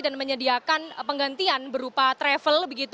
dan menyediakan penggantian berupa travel